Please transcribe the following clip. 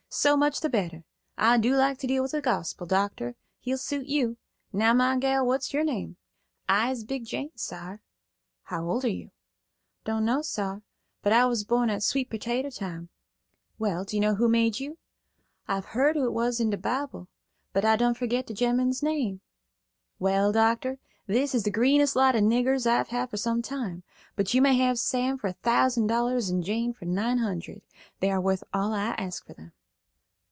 So much the better. I like to deal in the gospel, doctor. He'll suit you. Now, my gal, what's your name?" "I is Big Jane, sar." "How old are you?" "Don' know, sar; but I was born at sweet pertater time." "Well, do you know who made you?" "I hev heard who it was in de Bible, but I done fergit de gemman's name." "Well, doctor, this is the greenest lot of niggers I've had for some time, but you may have Sam for a thousand dollars and Jane for nine hundred. They are worth all I ask for them."